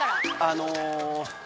あの。